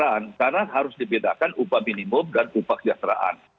saya bicara upah kesejahteraan karena harus dibedakan upah minimum dan upah kesejahteraan